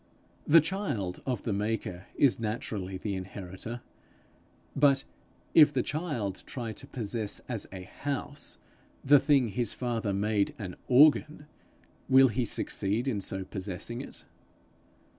The child of the maker is naturally the inheritor. But if the child try to possess as a house the thing his father made an organ, will he succeed in so possessing it?